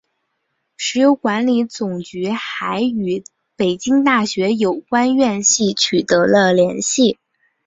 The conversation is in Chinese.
石油管理总局还与北京大学有关的院系取得了联系。